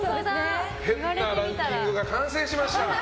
変なランキングが完成しました。